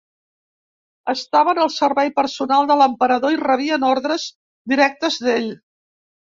Estaven al servei personal de l'emperador i rebien ordres directes d'ell.